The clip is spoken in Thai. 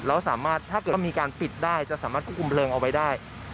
แล้วสามารถถ้าเกิดว่ามีการปิดได้จะสามารถควบคุมเลิงเอาไว้ได้